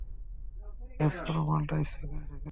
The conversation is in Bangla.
ব্যস পুরো মালটা স্প্রে করে ঢেকে দাও।